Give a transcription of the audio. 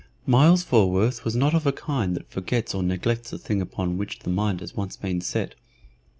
Myles Falworth was not of a kind that forgets or neglects a thing upon which the mind has once been set.